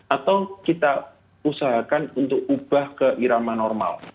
atau kita usahakan untuk ubah ke irama normal